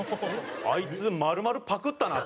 「あいつ丸々パクったな」